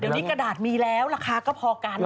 เดี๋ยวนี้กระดาษมีแล้วราคาก็พอกัน